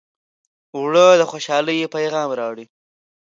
اوړه د خوشحالۍ پیغام راوړي